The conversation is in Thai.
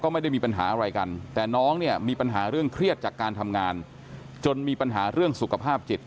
มีปัญหาแล้วเครียดจากการทำงานจนมีปัญหาเรื่องสุขภาพจิต